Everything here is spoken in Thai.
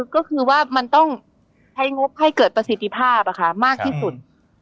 ก็คือว่ามันต้องใช้งบให้เกิดประสิทธิภาพมากที่สุด